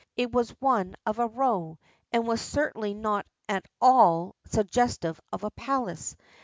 It was one of a row, and was certainly not at all suggestive of a palace.